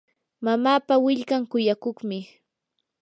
mamapa willkan kuyakuqmi.